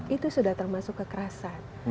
itu sudah termasuk kekerasan